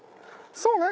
「そうね！